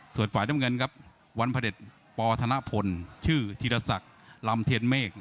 ส่วนฝ่ายน้ำเงินครับวันพระเด็จปธนพลชื่อธีรศักดิ์ลำเทียนเมฆ